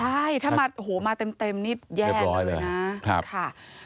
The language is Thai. ใช่ถ้ามาเต็มนิดแย่เลยนะ